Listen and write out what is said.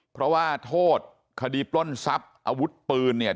เพราะว่าโทษคดีปล้นทรัพย์อาวุธปืนเนี่ย